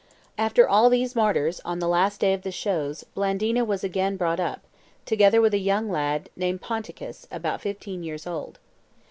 "After all these martyrs, on the last day of the shows, Blandina was again brought up, together with a young lad, named Ponticus, about fifteen years old.